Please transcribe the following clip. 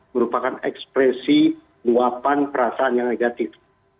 merupakan ekspresi luapan perasaan yang negatif